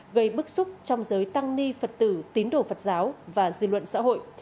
gây bức xúc trong giới tăng ni phật tử tín đồ phật giáo và dư luận xã hội